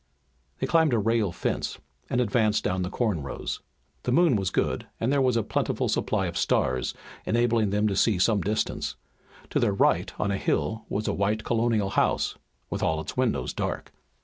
They climbed a rail fence, and advanced down the corn rows. The moon was good and there was a plentiful supply of stars, enabling them to see some distance. To their right on a hill was a white Colonial house, with all its windows dark.